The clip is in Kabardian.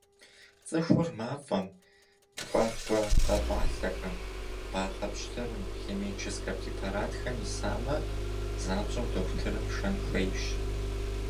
Цӏыхур мафӏэм, ткӏуаткӏуэ къэкъуалъэхэм, бахъэ пщтырым, химическэ препаратхэм исамэ, занщӏэу дохутырым шэн хуейщ.